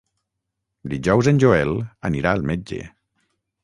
Dijous en Joel anirà al metge.